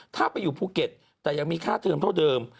ถ้าไปอยู่ภูเก็ตแต่ยังมีค่าเทิมเท่าเดิม